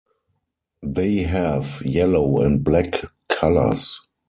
They have yellow and black colours.